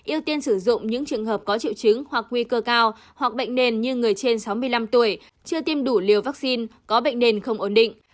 ưu tiên sử dụng những trường hợp có triệu chứng hoặc nguy cơ cao hoặc bệnh nền như người trên sáu mươi năm tuổi chưa tiêm đủ liều vaccine có bệnh nền không ổn định